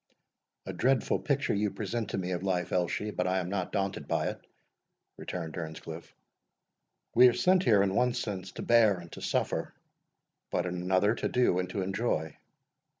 "A dreadful picture you present to me of life, Elshie; but I am not daunted by it," returned Earnscliff. "We are sent here, in one sense, to bear and to suffer; but, in another, to do and to enjoy.